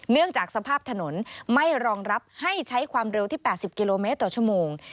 เนื่องจากสภาพถนนไม่รองรับให้ใช้ความเร็วที่๘๐กิโลเมตรต่อชั่วโมง